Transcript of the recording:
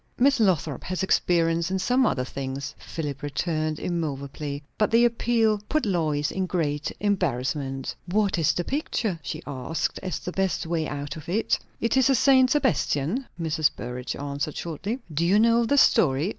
"Miss Lothrop has experience in some other things," Philip returned immoveably. But the appeal put Lois in great embarrassment. "What is the picture?" she asked, as the best way out of it. "It's a St. Sebastian," Mrs. Burrage answered shortly. "Do you know the story?"